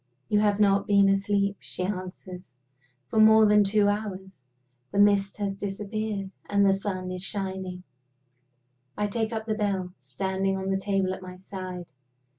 "You have not been asleep," she answers, "for more than two hours. The mist has disappeared, and the sun is shining." I take up the bell, standing on the table at my side.